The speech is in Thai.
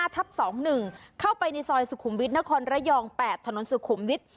ทับ๒๑เข้าไปในซอยสุขุมวิทย์นครระยอง๘ถนนสุขุมวิทย์